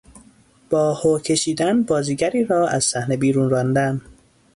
با هو کشیدن بازیگری را از صحنه بیرون راندن